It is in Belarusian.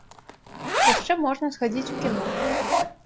Яшчэ можна схадзіць у кіно.